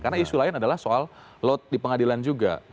karena isu lain adalah soal lot di pengadilan juga